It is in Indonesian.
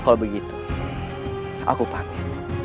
kalau begitu aku pamit